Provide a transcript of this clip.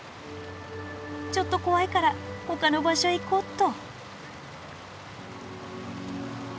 ちょっと怖いからほかの場所行こっと。